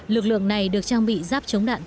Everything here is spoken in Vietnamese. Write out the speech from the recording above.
lực lượng này được trang bị giáp chống đại dịch